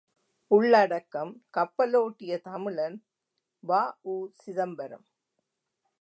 உள்ளடக்கம் கப்பலோட்டிய தமிழன் வ.உ.சிதம்பரம்